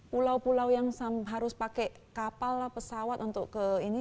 pulau pulau yang harus pakai kapal lah pesawat untuk ke ini